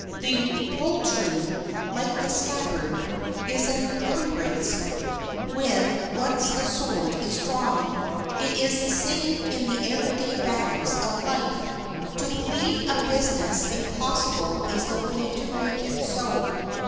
The poltroon, like the scabbard, is an incumbrance when once the sword is drawn. It is the same in the every day battles of life: to believe a business impossible is the way to make it so.